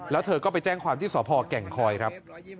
แล้วเธอก็ไปแจ้งความที่สพแก่งคอยครับ